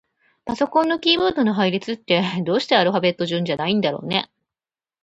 パソコンのキーボードの配列って、どうしてアルファベット順じゃないんだろうね。